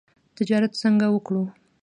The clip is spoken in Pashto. تجارت څنګه وکړو؟